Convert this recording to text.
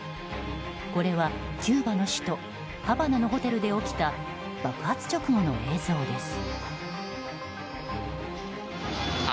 これはキューバの首都ハバナのホテルで起きた爆発直後の映像です。